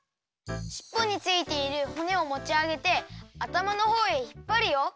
しっぽについているほねをもちあげてあたまのほうへひっぱるよ。